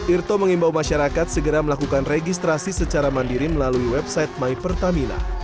irto mengimbau masyarakat segera melakukan registrasi secara mandiri melalui website my pertamina